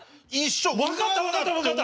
分かった分かった分かった！